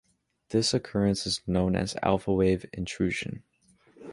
This occurrence is known as alpha wave intrusion.